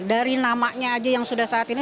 dari namanya aja yang sudah saat ini